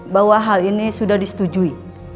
bahwa hal ini sudah disetujui